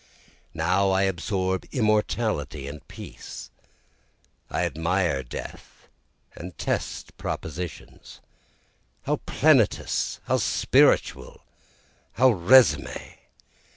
Now I absorb immortality and peace, I admire death and test propositions. How plenteous! how spiritual! how resume!